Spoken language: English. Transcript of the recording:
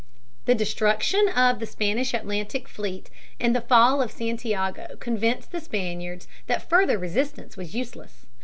The destruction of the Spanish Atlantic fleet and the fall of Santiago convinced the Spaniards that further resistance was useless.